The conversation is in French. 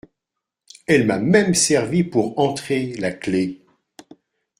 Elle m’a même servi pour entrer, la clef !